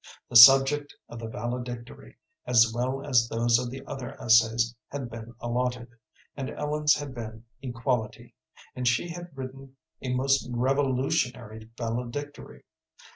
The subject of the valedictory, as well as those of the other essays, had been allotted, and Ellen's had been "Equality," and she had written a most revolutionary valedictory.